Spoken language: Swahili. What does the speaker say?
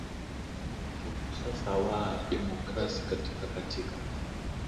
uwongo mtupu sasa waaa democrasi katika katika